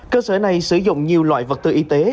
cơ sở này sử dụng nhiều loại vật tư y tế